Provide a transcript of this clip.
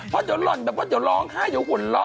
พอจะร่อนแบบว่าจะร้องฮ่าจะห่วนละ